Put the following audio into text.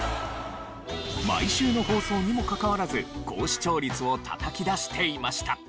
毎週の放送にもかかわらず高視聴率をたたき出していました。